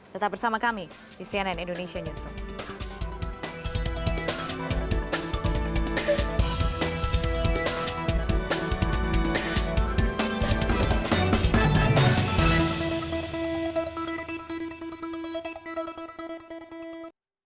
tetap bersama kami di cnn indonesia newsroom